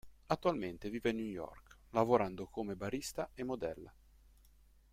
Attualmente vive a New York, lavorando come barista e modella.